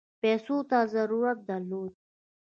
پیسو ته ضرورت درلود.